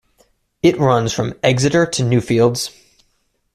It runs from Exeter to Newfields.